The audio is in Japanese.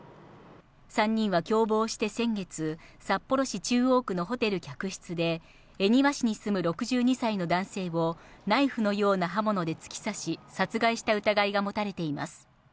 ３人は共謀して先月、札幌市中央区のホテル客室で、恵庭市に住む６２歳の男性を、ナイフのような刃物で突き刺し、殺害した疑いが持たれています。